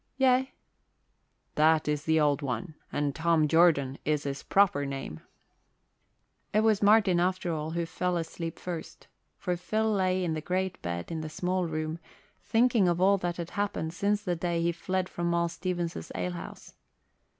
"Yea." "That is the Old One, and Tom Jordan is his proper name." It was Martin, after all, who fell asleep first, for Phil lay in the great bed in the small room, thinking of all that had happened since the day he fled from Moll Stevens's alehouse.